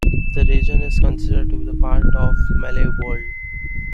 The region is considered to be part of the Malay world.